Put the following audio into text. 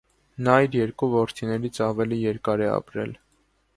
Նա իր երկու որդիներից ավելի երկար է ապրել։